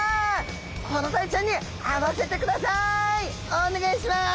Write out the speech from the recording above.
お願いします！